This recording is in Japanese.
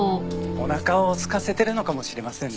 おなかをすかせてるのかもしれませんね